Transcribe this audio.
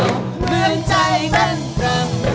เหมือนใจเต้นพร้ำ